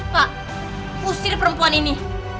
pak pusing perempuan ini